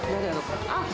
あっ！